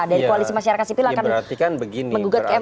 dan koalisi masyarakat sipil akan menggugat ke mk